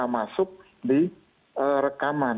masuk di rekaman